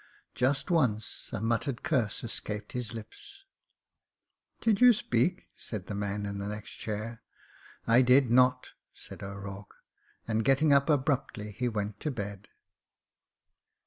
Just once a muttered curse escaped his lips. "Did you speak ?" said the man in the next chair. "I did notf' said O'Rourke, and getting up abruptly he went to bed.